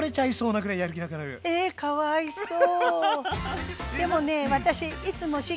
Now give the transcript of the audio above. えかわいそう！